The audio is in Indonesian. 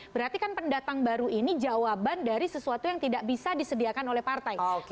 berarti kan pendatang baru ini jawaban dari sesuatu yang tidak bisa disediakan oleh partai